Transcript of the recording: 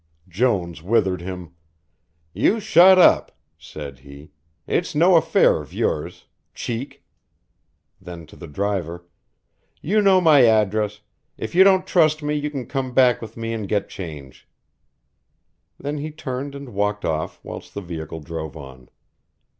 Jones withered him: "You shut up," said he. "It's no affair of yours cheek." Then to the driver: "You know my address, if you don't trust me you can come back with me and get change." Then he turned and walked off whilst the vehicle drove on.